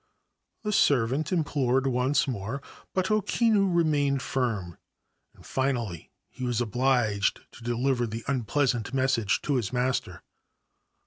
The servant implored once more ; but O Kinu remained firm, and finally he was obliged to deliver the unpleasant message to his master.